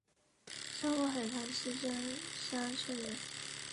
沙孟海塘溪镇沙村人。